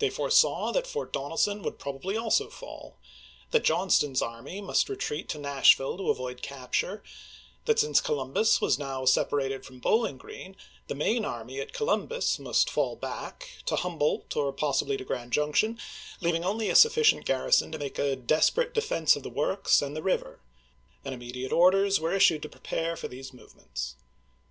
They fore saw that Fort Donelson would probably also fall ; that Johnston's army must retreat to Nashville to avoid capture ; that since Columbus was now separated from Bowling Green, the main army at Columbus must fall back to Humboldt, or possibly to Grand Junction, leaving only a sufficient garri son to make a desperate defense of the works and the river; and immediate orders were issued to prepare for these movements.